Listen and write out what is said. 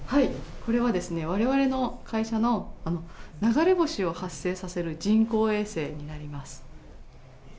これはですね、われわれの会社の、流れ星を発生させる人工衛星になります。